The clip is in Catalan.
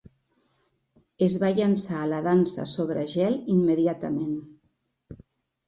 Es va llançar a la dansa sobre gel immediatament.